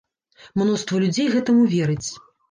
Мноства людзей гэтаму верыць.